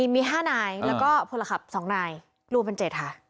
มี๕นายแล้วก็พลขับ๒นายรวมเป็น๗ค่ะ